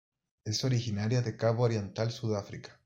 Es originaria de Cabo Oriental, Sudáfrica.